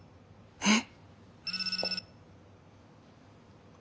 えっ！？